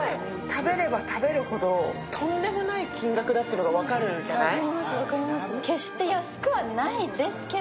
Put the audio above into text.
食べれば食べるほどとんでもない金額だって分かるじゃない？